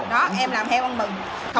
đó em làm heo anh mừng